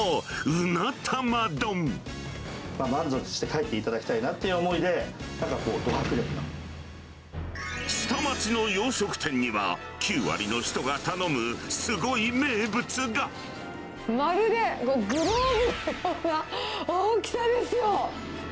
満足して帰っていただきたいなっていう思いで、なんかこう、下町の洋食店には、９割の人まるでグローブのような大きさですよ。